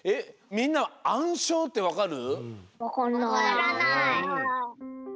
みんな「あんしょう」ってわかる？